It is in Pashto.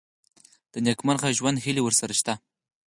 د نېکمرغه ژوند هیلې ورسره شته.